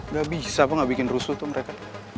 gak bisa kok gak bikin rusuh tuh mereka